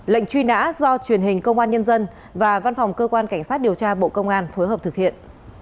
lệnh truy nã do truyền hình công an nhân dân và văn phòng cơ quan cảnh sát điều tra bộ công an phối hợp thực hiện